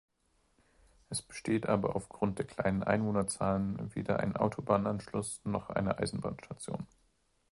Es besteht aber auf Grund der kleinen Einwohnerzahlen weder ein Autobahnanschluss noch eine Eisenbahnstation.